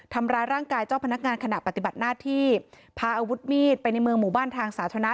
ทำร้ายร่างกายเจ้าพนักงานขณะปฏิบัติหน้าที่พาอาวุธมีดไปในเมืองหมู่บ้านทางสาธารณะ